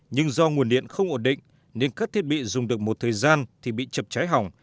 nhưng do nguồn điện không ổn định nên các thiết bị dùng được một thời gian thì bị chập cháy hỏng